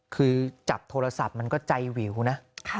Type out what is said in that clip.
คือจับโทรศัพท์มันก็ใจวิวนะ